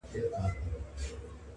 نه يوه ورځ پاچهي سي اوږدېدلاى!.